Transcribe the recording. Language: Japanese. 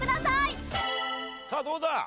さあどうだ？